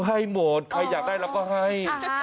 ให้หมดใครอยากได้เราก็ให้